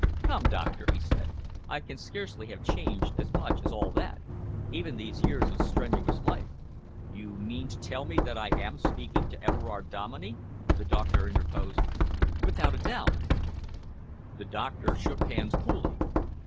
"Come, Doctor," he said. "I can scarcely have changed as much as all that. Even these years of strenuous life " "You mean to tell me that I am speaking to Everard Dominey?" the doctor interposed. "Without a doubt!" The doctor shook hands coolly.